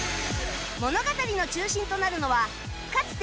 物語の中心となるのはかつて夢ノ